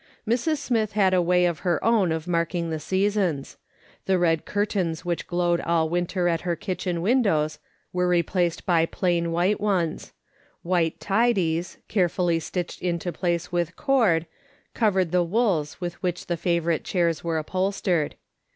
Mrs. Smith had a way of her own of marking the seasons. The red curtains which glowed all winter at her kitchen windows were replaced by plain white ones ; white tidies, carefully stitched into place with cord, covered the wools with which the favourite chairs were upholstered.